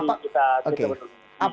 jadi kita kita berhubungan